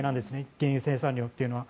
原油生産量というのは。